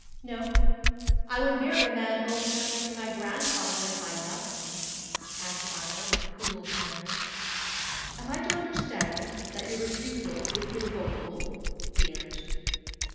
'No, I would marry a man old enough to be my grandfather if I loved him,' answered Ida, with cruel candour. 'And I am to understand that your refusal is irrevocable? he urged.